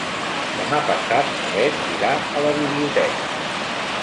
Demà passat na Bet irà a la biblioteca.